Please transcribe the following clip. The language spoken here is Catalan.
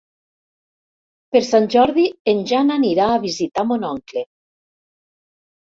Per Sant Jordi en Jan anirà a visitar mon oncle.